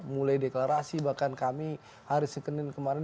mulai deklarasi bahkan kami hari senin kemarin